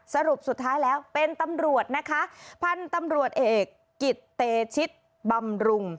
สรุปสุดท้ายแล้วเป็นตำรวจนะคะพันธุ์ตำรวจเอกกิตเตชิตบำรุง